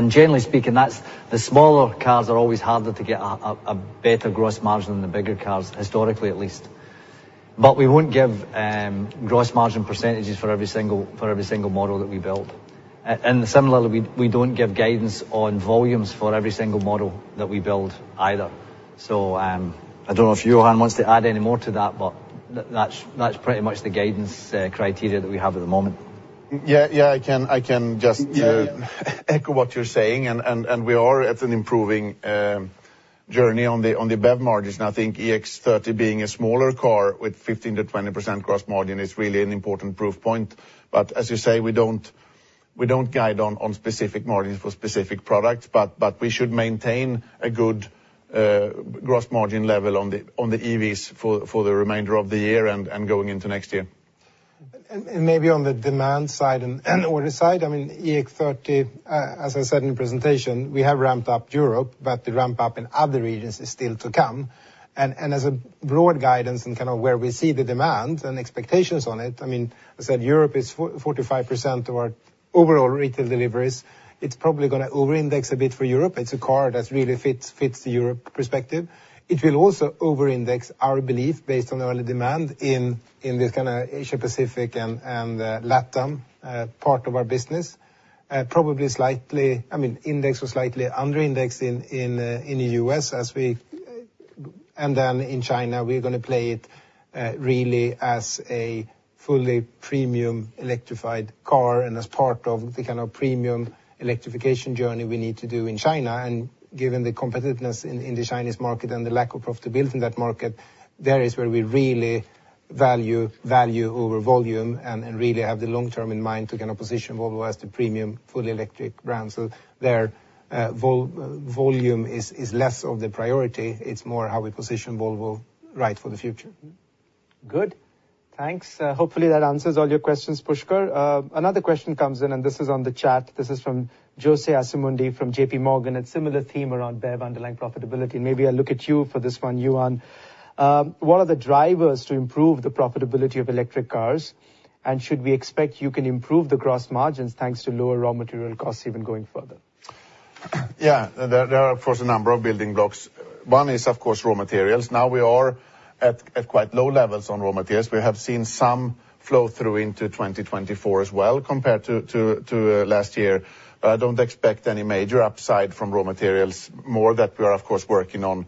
Generally speaking, the smaller cars are always harder to get a better gross margin than the bigger cars, historically at least. But we won't give gross margin percentages for every single model that we build. Similarly, we don't give guidance on volumes for every single model that we build either. I don't know if Johan wants to add any more to that, but that's pretty much the guidance criteria that we have at the moment. Yeah, yeah, I can just echo what you're saying, and we are on an improving journey on the BEV margins. And I think EX30 being a smaller car with 15%-20% gross margin is really an important proof point. But as you say, we don't guide on specific margins for specific products, but we should maintain a good gross margin level on the EVs for the remainder of the year and going into next year. And maybe on the demand side and order side, I mean, EX30, as I said in the presentation, we have ramped up Europe, but the ramp-up in other regions is still to come. And as a broad guidance and kind of where we see the demand and expectations on it, I mean, as I said, Europe is 45% of our overall retail deliveries. It's probably going to over-index a bit for Europe. It's a car that really fits the Europe perspective. It will also over-index our belief based on early demand in this kind of Asia-Pacific and Latin part of our business, probably slightly, I mean, index or slightly under-indexed in the U.S. as we and then in China, we're going to play it really as a fully premium electrified car and as part of the kind of premium electrification journey we need to do in China. Given the competitiveness in the Chinese market and the lack of profitability in that market, there is where we really value over volume and really have the long term in mind to kind of position Volvo as the premium fully electric brand. There, volume is less of the priority. It's more how we position Volvo right for the future. Good. Thanks. Hopefully, that answers all your questions, Pushkar. Another question comes in, and this is on the chat. This is from Jose Asumendi from JPMorgan. It's a similar theme around BEV underlying profitability. And maybe I'll look at you for this one, Johan. What are the drivers to improve the profitability of electric cars, and should we expect you can improve the gross margins thanks to lower raw material costs even going further? Yeah, there are, of course, a number of building blocks. One is, of course, raw materials. Now we are at quite low levels on raw materials. We have seen some flow-through into 2024 as well compared to last year. I don't expect any major upside from raw materials more than that we are, of course, working on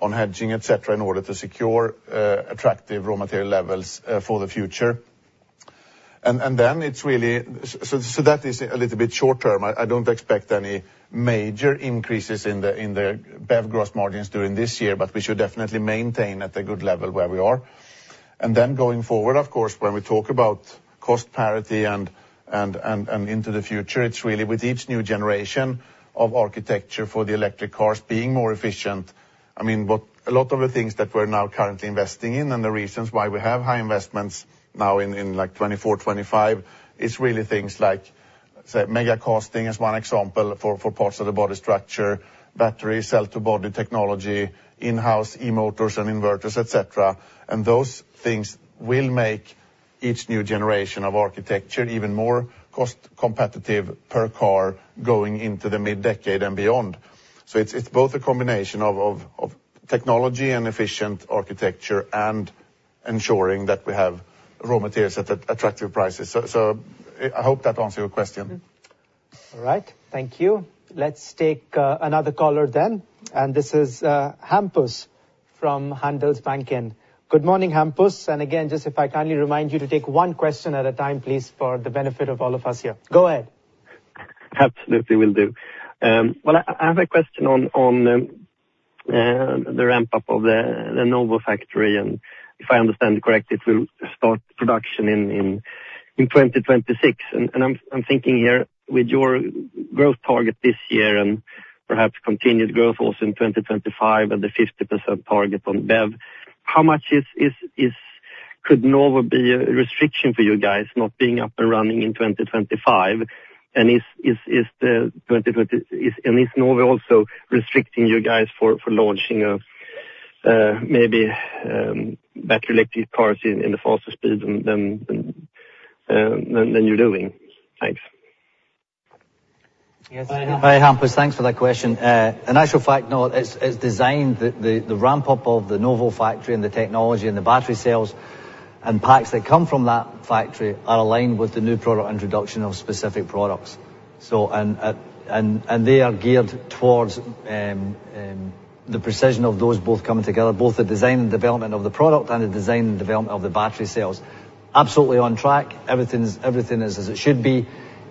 hedging, etc., in order to secure attractive raw material levels for the future. And then it's really so that is a little bit short term. I don't expect any major increases in the BEV gross margins during this year, but we should definitely maintain at a good level where we are. And then going forward, of course, when we talk about cost parity and into the future, it's really with each new generation of architecture for the electric cars being more efficient. I mean, a lot of the things that we're now currently investing in and the reasons why we have high investments now in like 2024, 2025 is really things like, say, megacasting as one example for parts of the body structure, battery, cell-to-body technology, in-house e-motors and inverters, etc. And those things will make each new generation of architecture even more cost-competitive per car going into the mid-decade and beyond. So it's both a combination of technology and efficient architecture and ensuring that we have raw materials at attractive prices. So I hope that answered your question. All right. Thank you. Let's take another caller then, and this is Hampus from Handelsbanken. Good morning, Hampus. And again, just if I kindly remind you to take one question at a time, please, for the benefit of all of us here. Go ahead. Absolutely, will do. Well, I have a question on the ramp-up of the Novo factory, and if I understand correctly, it will start production in 2026. I'm thinking here with your growth target this year and perhaps continued growth also in 2025 and the 50% target on BEV, how much could Novo be a restriction for you guys not being up and running in 2025? Is Novo also restricting you guys for launching maybe better electric cars in the faster speed than you're doing? Thanks. Hi, Hampus. Thanks for that question. An actual fact note, it's designed that the ramp-up of the Novo factory and the technology and the battery cells and packs that come from that factory are aligned with the new product introduction of specific products. They are geared towards the precision of those both coming together, both the design and development of the product and the design and development of the battery cells. Absolutely on track. Everything is as it should be.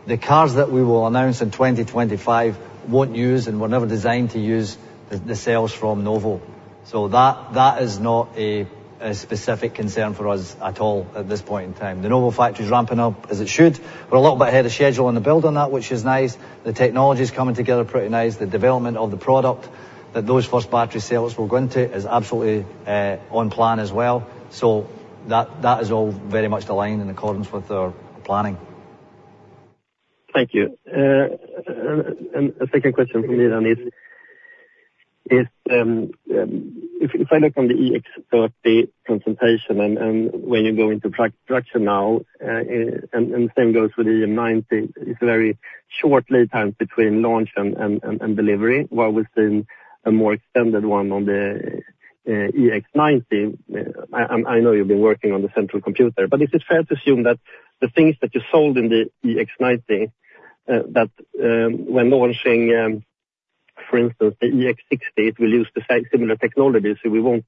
The cars that we will announce in 2025 won't use, and we're never designed to use the cells from Novo. So that is not a specific concern for us at all at this point in time. The Novo factory is ramping up as it should. We're a little bit ahead of schedule on the build on that, which is nice. The technology is coming together pretty nice. The development of the product that those first battery cells will go into is absolutely on plan as well. So that is all very much aligned in accordance with our planning. Thank you. And a second question from me, then. If I look on the EX30 concentration and when you go into production now, and the same goes for the EM90, it's a very short lead time between launch and delivery while we've seen a more extended one on the EX90. I know you've been working on the central computer, but is it fair to assume that the things that you solved in the EX90 that when launching, for instance, the EX60, it will use the same similar technology, so we won't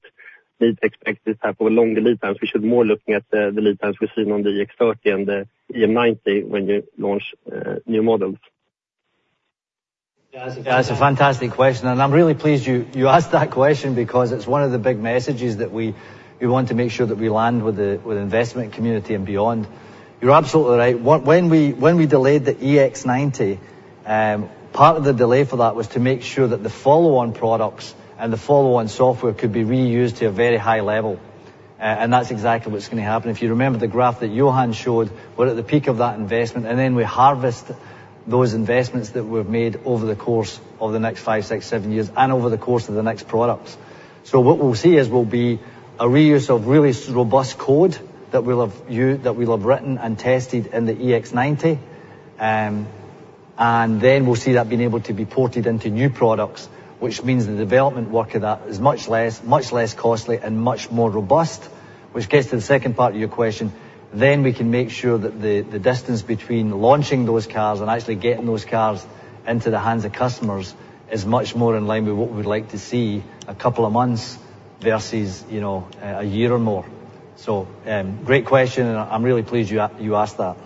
need to expect this type of a longer lead time? We should be more looking at the lead times we've seen on the EX30 and the EM90 when you launch new models. That's a fantastic question, and I'm really pleased you asked that question because it's one of the big messages that we want to make sure that we land with the investment community and beyond. You're absolutely right. When we delayed the EX90, part of the delay for that was to make sure that the follow-on products and the follow-on software could be reused to a very high level. And that's exactly what's going to happen. If you remember the graph that Johan showed, we're at the peak of that investment, and then we harvest those investments that we've made over the course of the next five, six, seven years and over the course of the next products. So what we'll see is a reuse of really robust code that we'll have written and tested in the EX90, and then we'll see that being able to be ported into new products, which means the development work of that is much less costly and much more robust, which gets to the second part of your question. Then we can make sure that the distance between launching those cars and actually getting those cars into the hands of customers is much more in line with what we'd like to see: a couple of months versus a year or more. So great question, and I'm really pleased you asked that.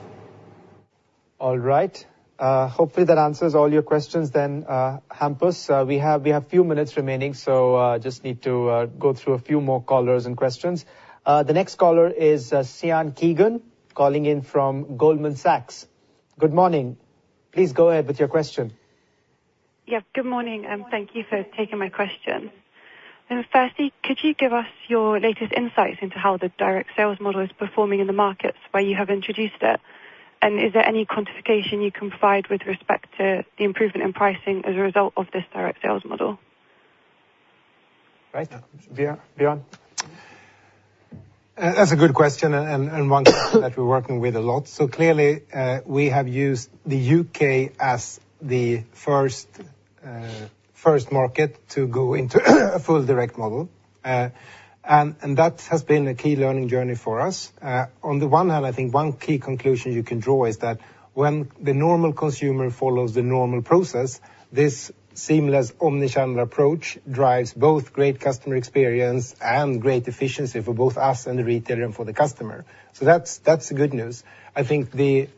All right. Hopefully, that answers all your questions then, Hampus. We have a few minutes remaining, so I just need to go through a few more callers and questions. The next caller is Sian Keegan calling in from Goldman Sachs. Good morning. Please go ahead with your question. Yeah, good morning, and thank you for taking my question. Firstly, could you give us your latest insights into how the direct sales model is performing in the markets where you have introduced it? And is there any quantification you can provide with respect to the improvement in pricing as a result of this direct sales model? Right, Björn. That's a good question and one that we're working with a lot. So clearly, we have used the U.K. as the first market to go into a full direct model, and that has been a key learning journey for us. On the one hand, I think one key conclusion you can draw is that when the normal consumer follows the normal process, this seamless omnichannel approach drives both great customer experience and great efficiency for both us and the retailer and for the customer. So that's good news. I think the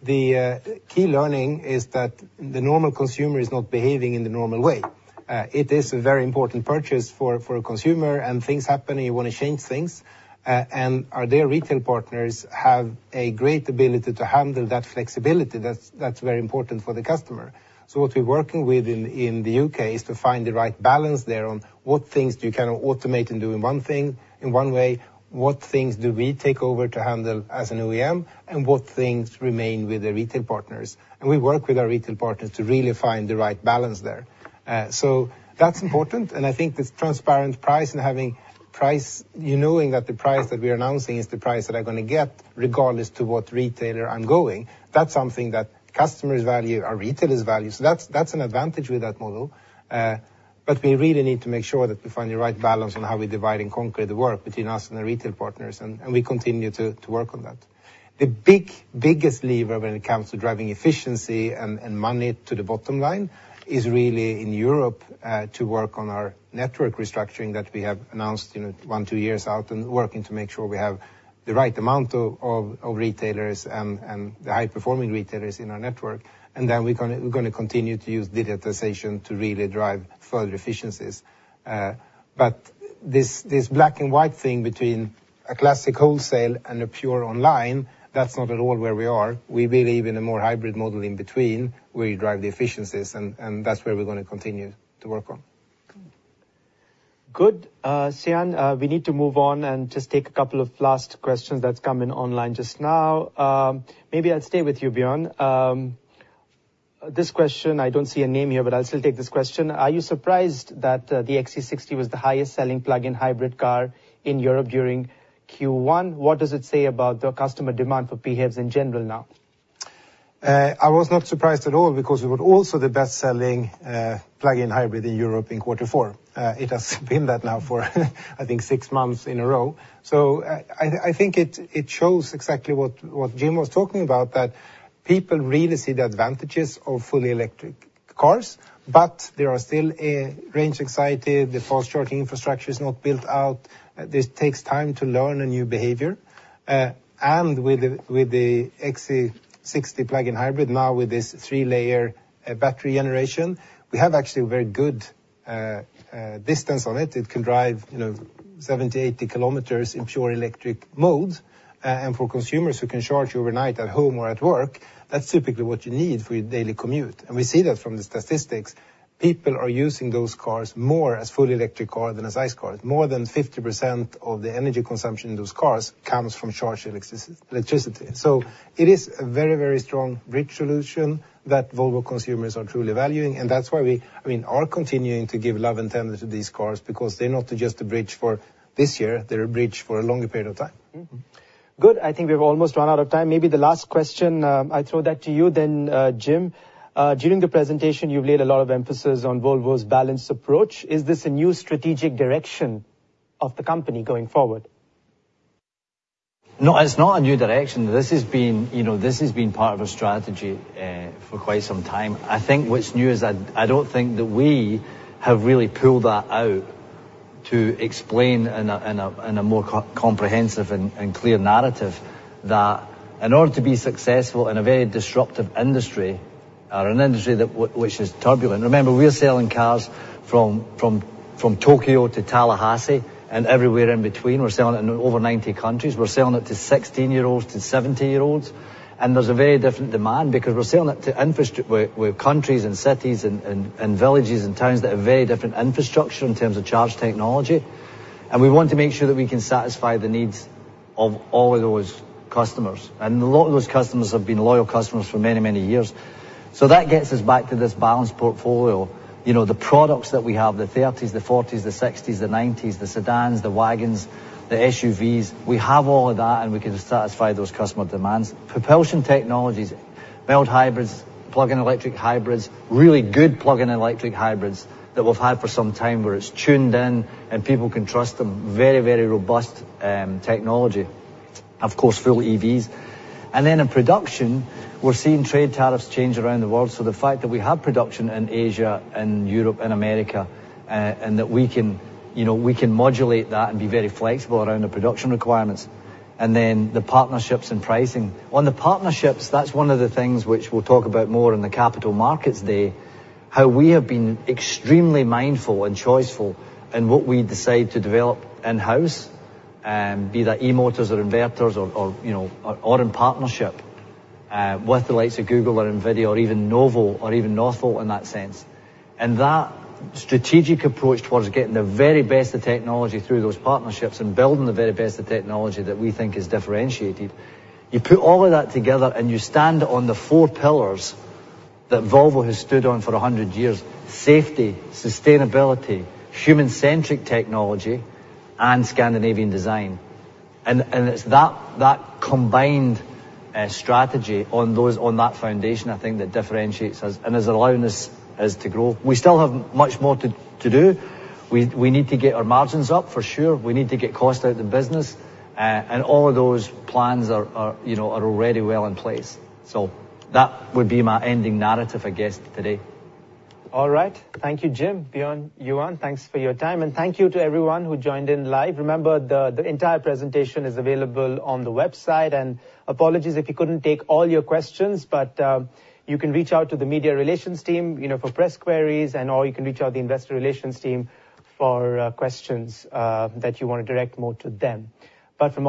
key learning is that the normal consumer is not behaving in the normal way. It is a very important purchase for a consumer, and things happen, and you want to change things. And our retail partners have a great ability to handle that flexibility. That's very important for the customer. So what we're working with in the U.K. is to find the right balance there on what things do you kind of automate and do in one way, what things do we take over to handle as an OEM, and what things remain with the retail partners. And we work with our retail partners to really find the right balance there. So that's important, and I think this transparent price and knowing that the price that we're announcing is the price that I'm going to get regardless to what retailer I'm going, that's something that customers value, our retailers value. So that's an advantage with that model. But we really need to make sure that we find the right balance on how we divide and conquer the work between us and the retail partners, and we continue to work on that. The biggest lever when it comes to driving efficiency and money to the bottom line is really in Europe to work on our network restructuring that we have announced one, two years out and working to make sure we have the right amount of retailers and the high-performing retailers in our network. And then we're going to continue to use digitization to really drive further efficiencies. But this black-and-white thing between a classic wholesale and a pure online, that's not at all where we are. We believe in a more hybrid model in between where you drive the efficiencies, and that's where we're going to continue to work on. Good. Sian, we need to move on and just take a couple of last questions that's come in online just now. Maybe I'll stay with you, Björn. This question, I don't see a name here, but I'll still take this question. Are you surprised that the XC60 was the highest-selling plug-in hybrid car in Europe during Q1? What does it say about the customer demand for PHEVs in general now? I was not surprised at all because it was also the best-selling plug-in hybrid in Europe in quarter four. It has been that now for, I think, six months in a row. So I think it shows exactly what Jim was talking about, that people really see the advantages of fully electric cars, but there are still range anxiety. The fast charging infrastructure is not built out. This takes time to learn a new behavior. And with the XC60 plug-in hybrid now, with this three-layer battery generation, we have actually a very good distance on it. It can drive 70-80 kilometers in pure electric mode. And for consumers who can charge overnight at home or at work, that's typically what you need for your daily commute. And we see that from the statistics. People are using those cars more as fully electric cars than as ICE cars. More than 50% of the energy consumption in those cars comes from charged electricity. So it is a very, very strong bridge solution that Volvo consumers are truly valuing. And that's why we, I mean, are continuing to give love and tender to these cars because they're not just a bridge for this year. They're a bridge for a longer period of time. Good. I think we have almost run out of time. Maybe the last question. I'll throw that to you then, Jim. During the presentation, you've laid a lot of emphasis on Volvo's balanced approach. Is this a new strategic direction of the company going forward? No, it's not a new direction. This has been part of our strategy for quite some time. I think what's new is I don't think that we have really pulled that out to explain in a more comprehensive and clear narrative that in order to be successful in a very disruptive industry or an industry which is turbulent. Remember, we're selling cars from Tokyo to Tallahassee and everywhere in between. We're selling it in over 90 countries. We're selling it to 16-year-olds, to 70-year-olds. And there's a very different demand because we're selling it to countries and cities and villages and towns that have very different infrastructure in terms of charge technology. And we want to make sure that we can satisfy the needs of all of those customers. And a lot of those customers have been loyal customers for many, many years. So that gets us back to this balanced portfolio. The products that we have, the 30s, the 40s, the 60s, the 90s, the sedans, the wagons, the SUVs, we have all of that, and we can satisfy those customer demands. Propulsion technologies, mild hybrids, plug-in electric hybrids, really good plug-in electric hybrids that we've had for some time where it's tuned in and people can trust them, very, very robust technology. Of course, full EVs. And then in production, we're seeing trade tariffs change around the world. So the fact that we have production in Asia, in Europe, in America, and that we can modulate that and be very flexible around the production requirements. And then the partnerships and pricing. On the partnerships, that's one of the things which we'll talk about more in the Capital Markets Day, how we have been extremely mindful and choiceful in what we decide to develop in-house, be that e-motors or inverters or in partnership with the likes of Google or NVIDIA or even Novo or even Northvolt in that sense. That strategic approach towards getting the very best of technology through those partnerships and building the very best of technology that we think is differentiated, you put all of that together and you stand on the four pillars that Volvo has stood on for 100 years: safety, sustainability, human-centric technology, and Scandinavian design. It's that combined strategy on that foundation, I think, that differentiates us and has allowed us to grow. We still have much more to do. We need to get our margins up, for sure. We need to get cost out of the business. All of those plans are already well in place. That would be my ending narrative, I guess, today. All right. Thank you, Jim, Björn, Johan. Thanks for your time, and thank you to everyone who joined in live. Remember, the entire presentation is available on the website. Apologies if you couldn't take all your questions, but you can reach out to the media relations team for press queries, or you can reach out to the investor relations team for questions that you want to direct more to them. But from.